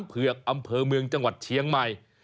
เผือกอำเภอเมืองจังหวัดเชียงใหม่